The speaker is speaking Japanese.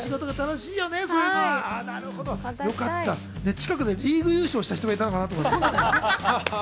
近くでリーグ優勝した人がいるのかなと思った。